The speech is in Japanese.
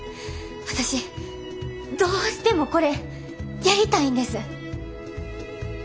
私どうしてもこれやりたいんです。